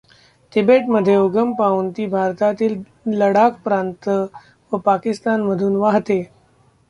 तिबेटमध्ये उगम पावून ती भारतातील लदाख प्रांत व पाकिस्तानमधून वाहते.